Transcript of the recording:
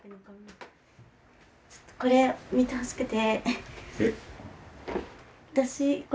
ちょっとこれ見てほしくて。